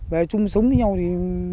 về chung sống với nhau thì